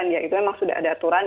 ya itu memang sudah ada aturan